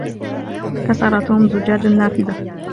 كسر توم زجاج النافذة.